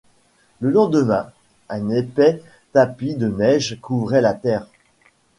Le lendemain, un épais tapis de neige couvrait la terre.